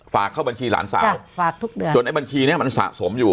เข้าบัญชีหลานสาวฝากทุกเดือนจนไอบัญชีเนี้ยมันสะสมอยู่